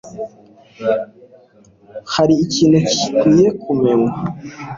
Hari ikintu nkwiye kumenya?